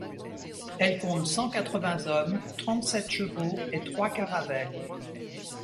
Elle compte cent quatre-vingts hommes, trente-sept chevaux et trois caravelles.